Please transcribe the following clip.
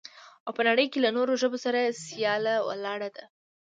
او په نړۍ کې له نورو ژبو سره سياله ولاړه ده.